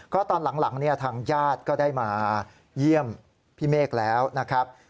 ก็ตอนหลังเนี่ยทางญาติก็ได้มาเยี่ยมพี่เมฆแล้วนะครับ